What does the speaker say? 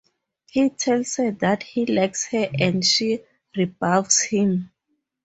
He tells her that he likes her and she rebuffs him.